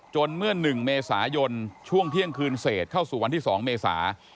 เมื่อ๑เมษายนช่วงเที่ยงคืนเศษเข้าสู่วันที่๒เมษา